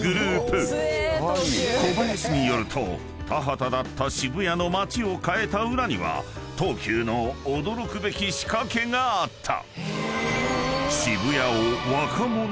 ［小林によると田畑だった渋谷の街を変えた裏には東急の驚くべき仕掛けがあった］